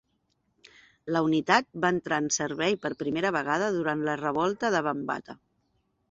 La unitat va entrar en servei per primera vegada durant la Revolta de Bambatha.